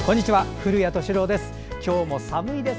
古谷敏郎です。